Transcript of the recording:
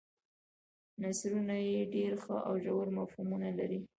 نثرونه یې ډېر ښه او ژور مفهومونه لري.